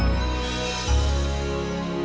aku ke atas dulu